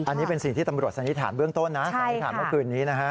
อันนี้เป็นสิ่งที่ตำรวจสันนิษฐานเบื้องต้นนะสันนิษฐานเมื่อคืนนี้นะฮะ